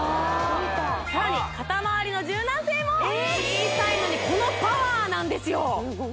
さらに肩まわりの柔軟性も小さいのにこのパワーなんですよねえ